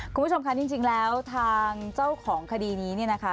คุณผู้ชมคะจริงแล้วทางเจ้าของคดีนี้เนี่ยนะคะ